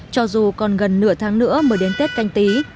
cho dù còn gần nửa tháng nữa mới đến tết canh tí